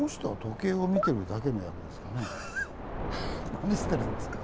何してるんですかね？